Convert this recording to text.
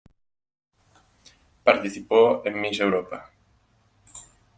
Participó en Miss Europa.